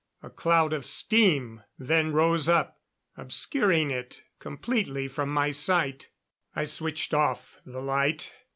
A cloud of steam then rose up, obscuring it completely from my sight. I switched off the light.